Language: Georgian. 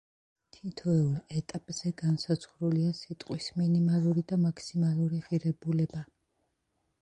თითოეულ ეტაპზე განსაზღვრულია სიტყვის მინიმალური და მაქსიმალური ღირებულება.